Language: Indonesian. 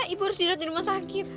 ibu harus dirawat di rumah sakit